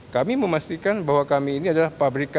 kami memastikan bahwa kami ini adalah pabrikan